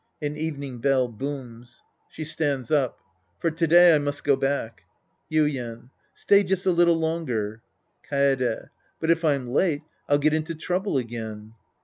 {An evening bell booms. She stands up.') For to day, I must go back. Yuien. Stay just a little longer. Kaede. But if I'm late, I'll get into trouble again.